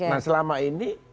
nah selama ini